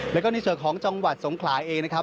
แล้วก็ในส่วนของจังหวัดสงขลาเองนะครับ